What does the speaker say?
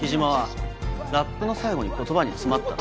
（ラップの最後に言葉に詰まった。